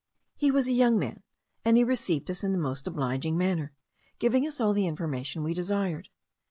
He was a young man, and he received us in the most obliging manner, giving us all the information we desired.